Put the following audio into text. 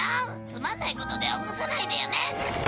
つまんないことで起こさないでよね。